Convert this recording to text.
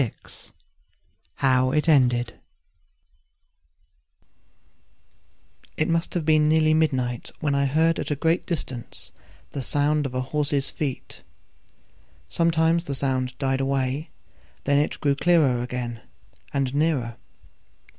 26 How it Ended It must have been nearly midnight when I heard at a great distance the sound of a horse's feet. Sometimes the sound died away, then it grew clearer again and nearer.